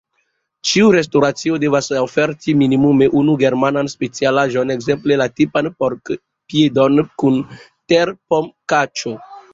Ĉiu restoracio devas oferti minimume unu germanan specialaĵon, ekzemple la tipan porkpiedon kun terpomkaĉo.